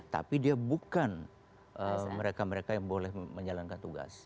tapi dia bukan mereka mereka yang boleh menjalankan tugas